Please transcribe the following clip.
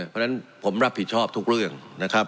เพราะฉะนั้นผมรับผิดชอบทุกเรื่องนะครับ